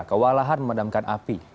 kewalahan memadamkan api